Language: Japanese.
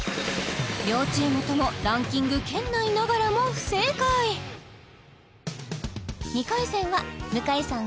両チームともランキング圏内ながらも不正解二回戦は向井さん